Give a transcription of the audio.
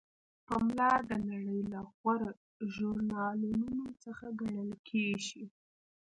پملا د نړۍ له غوره ژورنالونو څخه ګڼل کیږي.